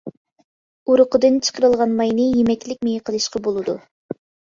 ئۇرۇقىدىن چىقىرىلغان ماينى يېمەكلىك مېيى قىلىشقا بولىدۇ.